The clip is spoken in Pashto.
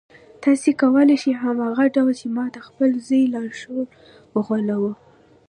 تاسې کولای شئ هماغه ډول چې ما د خپل زوی لاشعور وغولاوه.